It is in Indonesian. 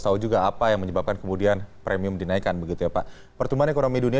tahu juga apa yang menyebabkan kemudian premium dinaikkan begitu ya pak pertumbuhan ekonomi dunia